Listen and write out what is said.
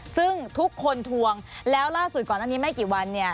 ซึ่งทุกคนทวงแล้วล่าสุดก่อนอันนี้ไม่กี่วันเนี่ย